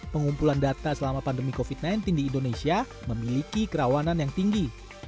pengumpulan data selama pandemi covid sembilan belas di indonesia memiliki kerawanan yang tinggi